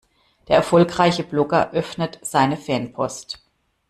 Der erfolgreiche Blogger öffnet seine Fanpost.